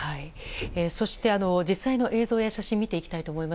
そして、実際の映像や写真を見ていきます。